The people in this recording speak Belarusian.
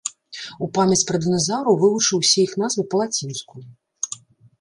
У памяць пра дыназаўраў вывучыў усе іх назвы па-лацінску.